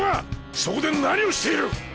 そこで何をしている！